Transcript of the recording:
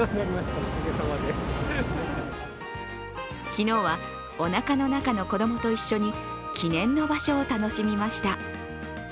昨日はおなかの中の子供と一緒に記念の場所を楽しみました。